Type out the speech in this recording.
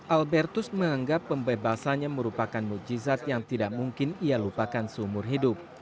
albertus menganggap pembebasannya merupakan mujizat yang tidak mungkin ia lupakan seumur hidup